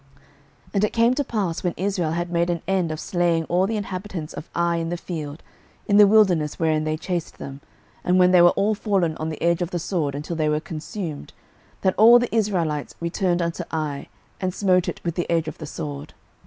06:008:024 And it came to pass, when Israel had made an end of slaying all the inhabitants of Ai in the field, in the wilderness wherein they chased them, and when they were all fallen on the edge of the sword, until they were consumed, that all the Israelites returned unto Ai, and smote it with the edge of the sword.